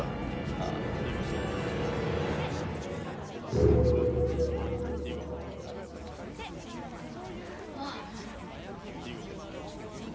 ああ？あっ。